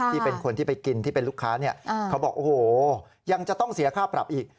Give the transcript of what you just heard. ที่เป็นคนที่ไปกินที่เป็นลูกค้าเนี่ยเขาบอกโอ้โหยังจะต้องเสียค่าปรับอีก